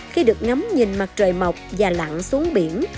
khi được ngắm nhìn mặt trời mọc và lặn xuống biển